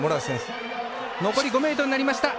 残り５ｍになりました。